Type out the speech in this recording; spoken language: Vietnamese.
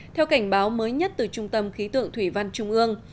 theo cảnh báo mới nhất từ trung tâm khí tượng thủy văn trung ương